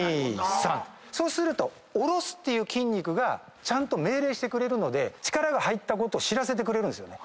そうすると下ろすっていう筋肉がちゃんと命令してくれるので力が入ったことを知らせてくれるんですよね。